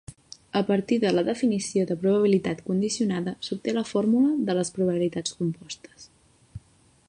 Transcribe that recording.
A partir de la definició de probabilitat condicionada s'obté la fórmula de les probabilitats compostes.